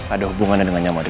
ada hubungannya dengan nyaman